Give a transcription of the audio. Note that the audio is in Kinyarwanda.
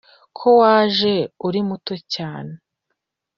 Ko waje uri muto cyane,